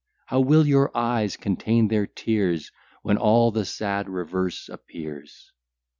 How will your eyes contain their tears, When all the sad reverse appears!